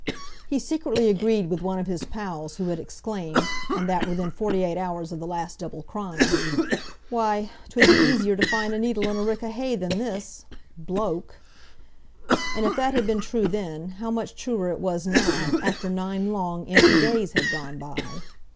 He secretly agreed with one of his pals who had exclaimed, and that within twenty four hours of the last double crime, "Why, 'twould be easier to find a needle in a rick o' hay than this—bloke!" And if that had been true then, how much truer it was now—after nine long, empty days had gone by?